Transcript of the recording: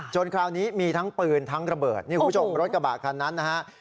คราวนี้มีทั้งปืนทั้งระเบิดนี่คุณผู้ชมรถกระบะคันนั้นนะฮะ